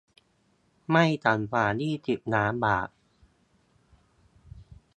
ไม่ต่ำกว่ายี่สิบล้านบาท